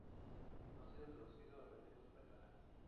No ha sido traducido en lengua española.